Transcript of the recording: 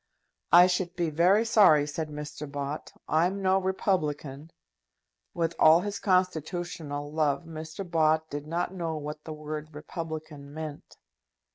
"I should be very sorry," said Mr. Bott; "I'm no republican." With all his constitutional love, Mr. Bott did not know what the word republican meant.